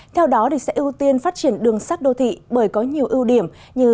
theo đó sẽ ưu tiên phát triển đường sắt đô thị bởi có nhiều ưu điểm như